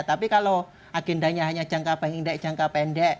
tapi kalau agendanya hanya jangka pendek jangka pendek